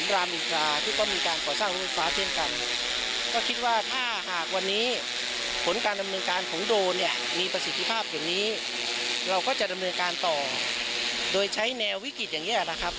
เราก็จะดำเนินการต่อโดยใช้แนววิกฤติอย่างเงี้ยนะครับ